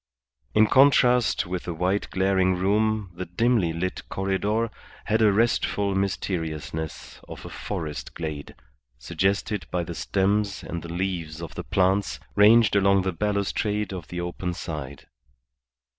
In contrast with the white glaring room the dimly lit corredor had a restful mysteriousness of a forest glade, suggested by the stems and the leaves of the plants ranged along the balustrade of the open side.